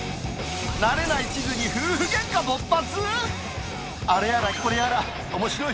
慣れない地図に夫婦げんか勃発？